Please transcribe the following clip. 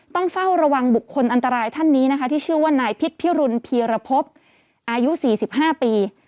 ต้องเฝ้าระวังบุคคลอันตรายท่านนี้นะคะที่ชื่อว่านายพิษพิรุณพีรพบอายุ๔๕ปี